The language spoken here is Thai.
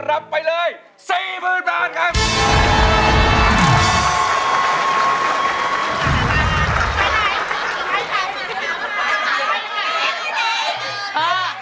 รับไปเลยสี่หมื่นบาทครับ